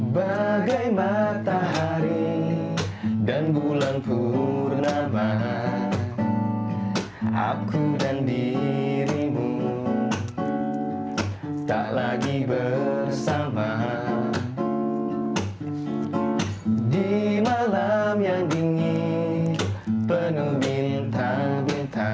kau terpunggu dengan lain orang